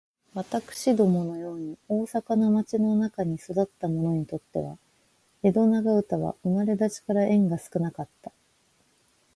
私どもの様に大阪の町の中に育つた者にとつては、江戸長唄は生れだちから縁が少かつた。